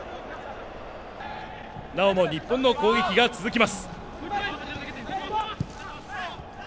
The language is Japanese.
なおも日本の攻撃が続きます。